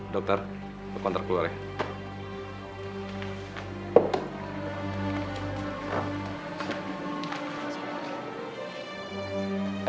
dokter depan terkeluarnya